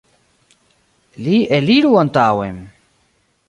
Li eliru antaŭen!